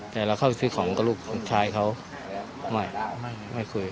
แต่ละเข้าไปซื้อของด้วยก็อิหลุกชายเค้าไม่ไม่คุย